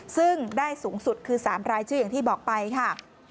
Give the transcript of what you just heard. ซึ่งได้สูงสุดคือ๓รายชื่ออย่างที่บอกไปค่ะ